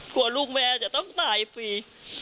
กลัวลูกแม่จะต้องตายฟรี